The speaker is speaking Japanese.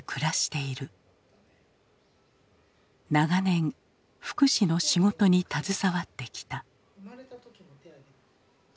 長年福祉の仕事に携わってきた。